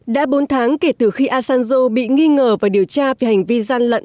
đã bốn tháng kể từ khi asanzo bị nghi ngờ và điều tra về hành vi gian lận